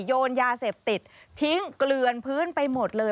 โยนยาเสพติดทิ้งเกลือนพื้นไปหมดเลย